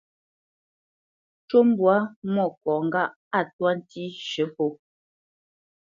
Ncú mbwǎ Mwôkɔ̌ ŋgâʼ a twá ntí shə̌ pó.